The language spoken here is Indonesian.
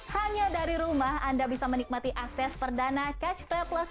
hanya dari rumah anda bisa menikmati akses perdana catch play plus